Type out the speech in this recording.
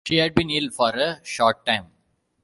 She had been ill for a short time.